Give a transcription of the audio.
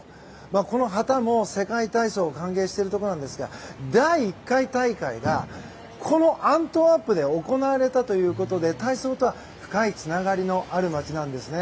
この旗も世界体操を歓迎しているところなんですが第１回大会がこのアントワープで行われたということで体操とは深いつながりのある街なんですね。